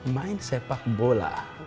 main sepak bola